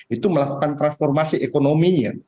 itu melakukan transformasi ekonominya